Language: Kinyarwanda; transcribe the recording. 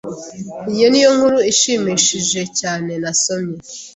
Iyi niyo nkuru ishimishije cyane nasomye.